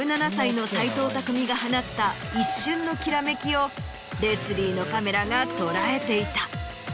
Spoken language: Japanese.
が放った一瞬のきらめきをレスリーのカメラが捉えていた。